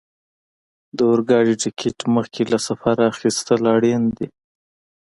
د اورګاډي ټکټ مخکې له سفره اخیستل اړین دي.